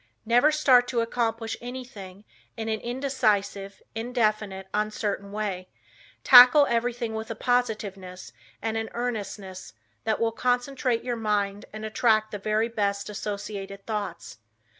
Never start to accomplish anything in an indecisive, indefinite, uncertain way. Tackle everything with a positiveness and an earnestness that will concentrate your mind and attract the very best associated thoughts.